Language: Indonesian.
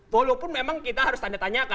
walaupun memang kita harus tanda tanyakan